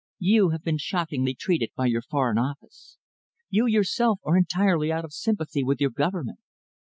You have been shockingly treated by your Foreign Office. You yourself are entirely out of sympathy with your Government.